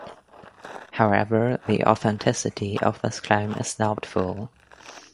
However, the authenticity of this claim is doubtful.